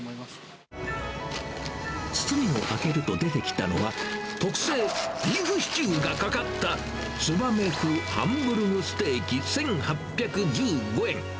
包みを開けると出てきたのは、特製ビーフシチューがかかった、つばめ風ハンブルグステーキ１８１５円。